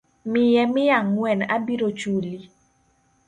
Miye mia angwen abiro chuli